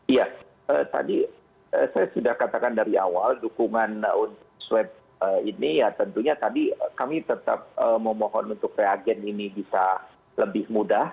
iya tadi saya sudah katakan dari awal dukungan untuk swab ini ya tentunya tadi kami tetap memohon untuk reagen ini bisa lebih mudah